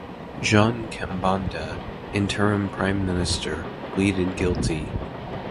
Jean Kambanda, interim Prime Minister, pleaded guilty.